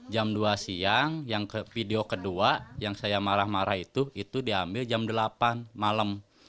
jam dua siang video kedua yang saya marah marah itu itu diambil jam delapan malam